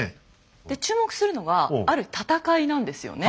で注目するのはある戦いなんですよね。